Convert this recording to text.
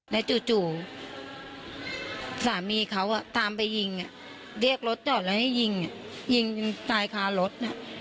แล้วจู่สามีเขาตามไปยิงเรียกรถจอดแล้วให้ยิงยิงตายคารถ